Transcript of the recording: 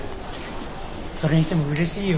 それにしてもうれしいよ。